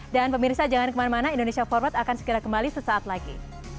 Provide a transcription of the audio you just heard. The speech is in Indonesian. dan pemirsa jangan kemana mana indonesia forward akan segera kembali sesaat lagi